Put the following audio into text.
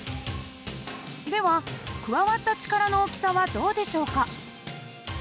では加わった力の大きさはどうでしょうか？